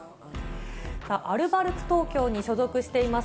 アルバルク東京に所属しています